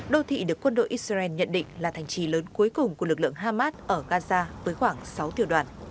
đô thị được quân đội israel nhận định là thành trì lớn cuối cùng của lực lượng hamas ở gaza với khoảng sáu tiểu đoàn